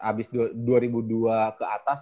habis dua ribu dua ke atas